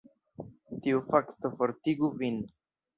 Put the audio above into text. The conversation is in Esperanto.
Tiu fakto fortigu vin.